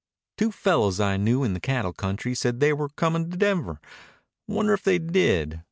"Two fellows I knew in the cattle country said they were comin' to Denver. Wonder if they did.